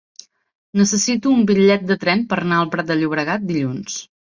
Necessito un bitllet de tren per anar al Prat de Llobregat dilluns.